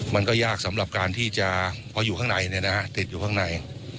มันก็ยากสำหรับการที่จะพออยู่ข้างในติดอยู่ข้างใน